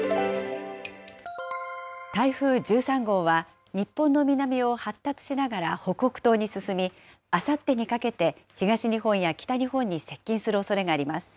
台風１３号は、日本の南を発達しながら北北東に進み、あさってにかけて、東日本や北日本に接近するおそれがあります。